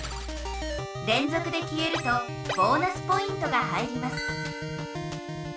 れんぞくで消えるとボーナスポイントが入ります。